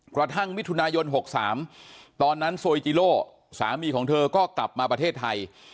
กระทั่งมิถุนายน๖๓ตอนนั้นโซยจีโล่สามีของเธอก็กลับมาประเทศไทย